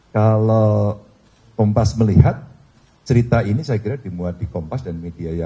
kalau kompas melihat cerita ini saya kira dimuati kompas dan media yang lain